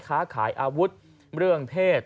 ค้าขายอาวุธเรื่องเพศ